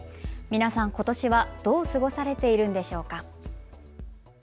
皆さん、ことしはどう過ごされているんでしょうか。